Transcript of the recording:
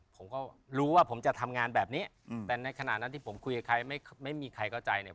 ผมก็รู้ว่าผมจะทำงานแบบนี้แต่ในขณะนั้นที่ผมคุยกับใครไม่มีใครเข้าใจเนี่ย